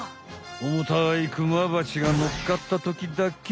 重たいクマバチがのっかったときだけ。